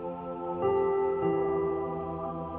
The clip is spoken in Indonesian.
gak ada yang bisa dihukum